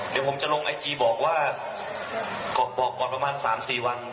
เดี๋ยวผมจะลงไอจีบอกว่าบอกก่อนประมาณ๓๔วัน